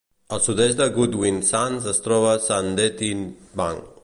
Al sud-est de Goodwin Sands es troba Sandettie Bank.